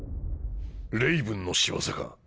レイブンの仕業か？